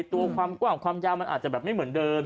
ตัวความกว้างความยาวมันอาจจะแบบไม่เหมือนเดิม